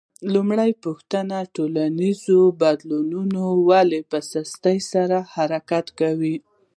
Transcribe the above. لومړۍ پوښتنه: ټولنیزو بدلونونو ولې په سستۍ سره حرکت کاوه؟